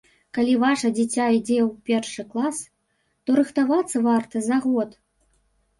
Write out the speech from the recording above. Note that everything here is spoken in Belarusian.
Калі ваша дзіця ідзе ў першы клас, то рыхтавацца варта за год.